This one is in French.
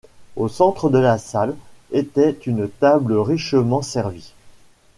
Au centre de la salle était une table richement servie.